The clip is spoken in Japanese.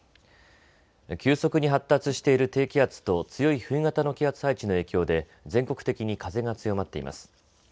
急速に発達している低気圧と強い冬型の気圧配置の影響で全国的に風が強まっています。